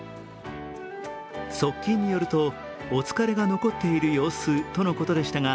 側近によるとお疲れが残っている様子とのことでしたが